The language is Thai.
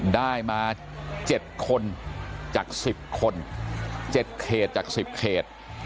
ได้มา๗คนจาก๑๐คน๗เขตจาก๑๐เขต